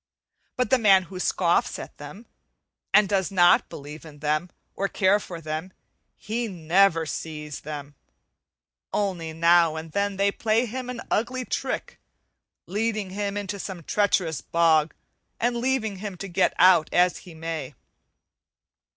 but the man who scoffs at them, and does not believe in them or care for them, he never sees them. Only now and then they play him an ugly trick, leading him into some treacherous bog and leaving him to get out as he may.